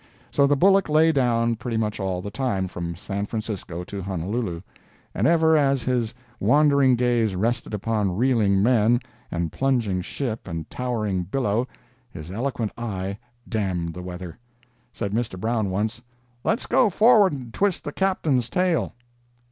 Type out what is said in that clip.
So the bullock lay down pretty much all the time from San Francisco to Honolulu—and ever as his wandering gaze rested upon reeling men, and plunging ship and towering billow, his eloquent eye damned the weather. Said Mr. Brown, once: "Let's go forward and twist the Captain's tail."